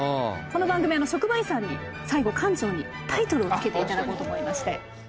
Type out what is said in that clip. この番組は職場遺産に最後館長にタイトルを付けて頂こうと思いまして。